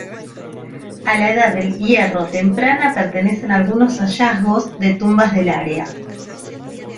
A la Edad del Hierro temprana pertenecen algunos hallazgos de tumbas del área.